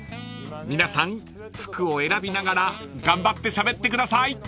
［皆さん服を選びながら頑張ってしゃべってください］